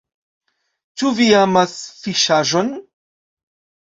Ĉu vi amas fiŝaĵon?